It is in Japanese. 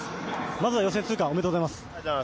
まずは予選通過、おめでとうございます。